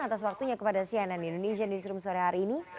atas waktunya kepada cnn indonesia newsroom sore hari ini